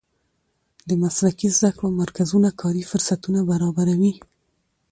د مسلکي زده کړو مرکزونه کاري فرصتونه برابروي.